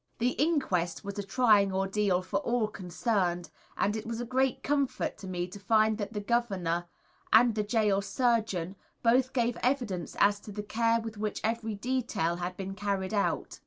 The inquest was a trying ordeal for all concerned, and it was a great comfort to me to find that the Governor and the Gaol Surgeon both gave evidence as to the care with which every detail had been carried out.